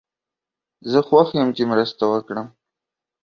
زه خوښ یم چې مرسته وکړم.